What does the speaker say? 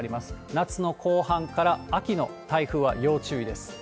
夏の後半から、秋の台風は要注意です。